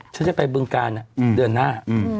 ฉันจะไปเบื้องการเนี่ยเดือนหน้า